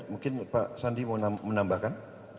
mungkin pak sandi mau menambahkan